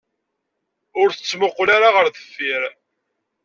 Ur tettmuqqul ara ɣer deffir.